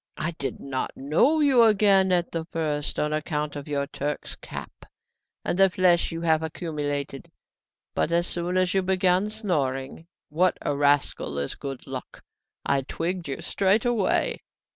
I did not know you again at the first, on account of your Turk's cap and the flesh you have accumulated; but as soon as you began snoring what a rascal is good luck! I twigged you straight away."